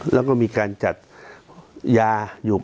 แล้วก็มีการจัดยาอยู่